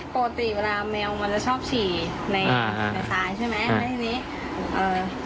ปกติเวลาแมวมันจะชอบฉี่ในสายใช่ไหมในที่นี้